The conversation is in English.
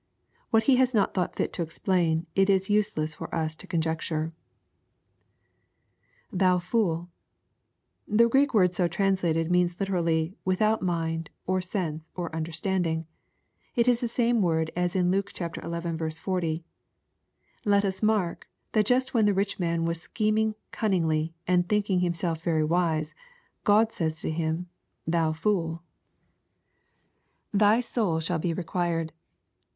What He has no* thought fit to explain, it is useless for us to conjecture, [Thou foo'L'l The Greek word so translated means literally, without mind, or sense, or understanding. It is the same word as in Luke xi. 40. Let us mark, that just when the rich man was scheming cunningly, and thinking himself very wise, God says to bim, " Thou fooL" LUKE, CHAP. xn. 77 [7%y soul shiM he required.